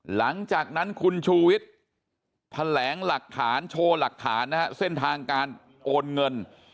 หลังจากนั้นคุณชูวิทย์แถลงหลักฐานโชว์หลักฐานนะฮะเส้นทางการโอนเงิน